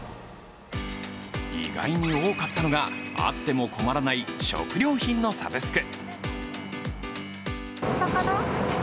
意外に多かったのが、あっても困らない食料品のサブスク。